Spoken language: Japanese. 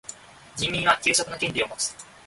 人民は休息の権利をもつ。